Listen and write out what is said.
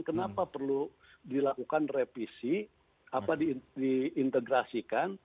kenapa perlu dilakukan revisi apa diintegrasikan